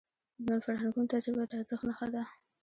د نورو فرهنګونو تجربه د ارزښت نښه ده.